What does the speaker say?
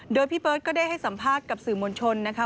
โดยพี่เบิร์ตก็ได้ให้สัมภาษณ์กับสื่อมวลชนนะคะ